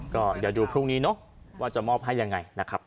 ก็เดี๋ยวดูพรุ่งนี้เนอะว่าจะมอบให้ยังไงนะครับ